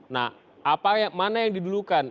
nah mana yang didulukan